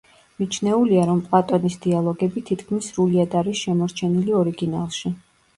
მიჩნეულია, რომ პლატონის დიალოგები თითქმის სრულიად არის შემორჩენილი ორიგინალში.